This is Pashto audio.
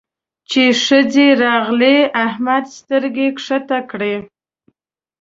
چې ښځې راغلې؛ احمد سترګې کښته کړې.